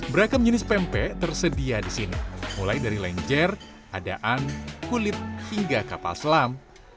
beragam jenis pempek tersedia di sini mulai dari lenjer adaan kulit hingga kapal selam